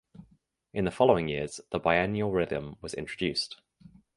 In the following years the biennial rhythm was introduced.